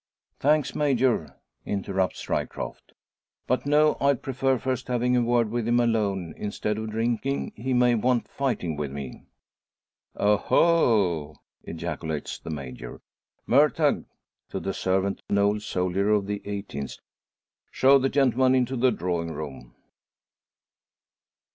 "Thanks, Major!" interrupts Ryecroft. "But no, I'd prefer first having a word with him alone. Instead of drinking, he may want fighting with me." "O ho!" ejaculates the Major. "Murtagh!" to the servant, an old soldier of the 18th, "show the gentleman into the drawing room."